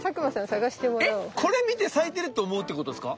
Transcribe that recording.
これ見て咲いてるって思うってことですか？